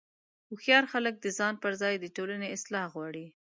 هوښیار خلک د ځان پر ځای د ټولنې اصلاح غواړي.